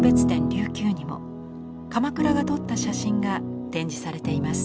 琉球にも鎌倉が撮った写真が展示されています。